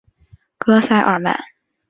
戈塞尔曼。